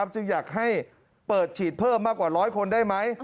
จึงอยากให้เปิดฉีดเพิ่มมากกว่า๑๐๐คนได้ไหม